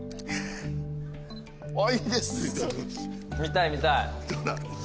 見たい見たい。